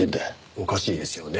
おかしいですよね。